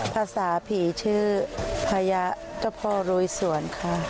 ภาษาผีชื่อพญาเจ้าพ่อโรยสวนค่ะ